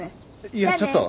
いやちょっと。